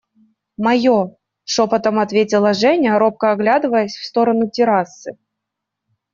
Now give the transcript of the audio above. – Мое, – шепотом ответила Женя, робко оглядываясь в сторону террасы.